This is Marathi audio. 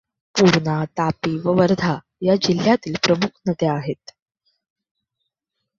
पूर्णा, तापी व वर्धा या जिल्ह्यातील प्रमुख नद्या आहेत.